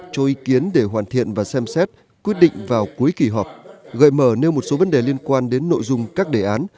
cho ý kiến để hoàn thiện và xem xét quyết định vào cuối kỳ họp gợi mở nêu một số vấn đề liên quan đến nội dung các đề án